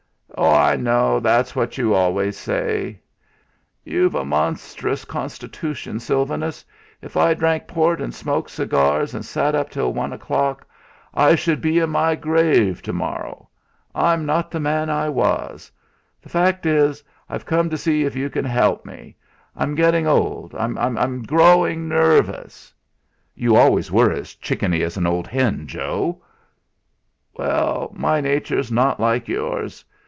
"Oh! I know, that's what you always say." "You've a monstrous constitution, Sylvanus. If I drank port and smoked cigars and sat up till one o'clock, I should be in my grave to morrow. I'm not the man I was. The fact is, I've come to see if you can help me. I'm getting old; I'm growing nervous...." "You always were as chickeny as an old hen, Joe." "Well, my nature's not like yours.